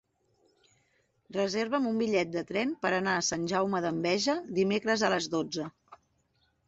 Reserva'm un bitllet de tren per anar a Sant Jaume d'Enveja dimecres a les dotze.